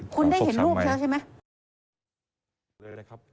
คุณได้เห็นรูปแล้วใช่ไหม